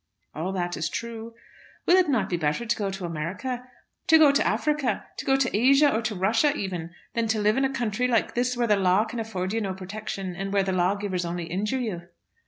"All that is true." "Will it not be better to go to America, to go to Africa, to go to Asia, or to Russia even, than to live in a country like this, where the law can afford you no protection, and where the lawgivers only injure you?"